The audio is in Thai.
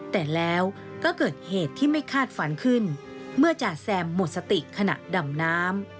แต่แล้วก็เกิดเหตุที่ไม่คาดฝันขึ้นเมื่อจ่าแซมหมดสติขณะดำน้ำ